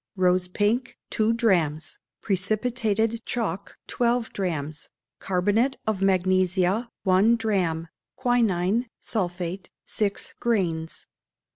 Rose pink, two drachms; precipitated chalk, twelve drachms; carbonate of magnesia, one drachm; quinine (sulphate), six grains.